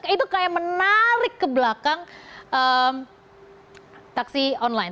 itu kayak menarik ke belakang taksi online